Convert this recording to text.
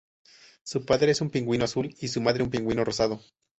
Su padre es un pingüino azul y su madre un pingüino rosado.